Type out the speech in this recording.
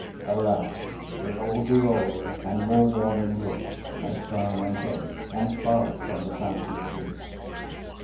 Alas! they all grew older and more worn in look, as time went on, and farther from the Fountain of Youth.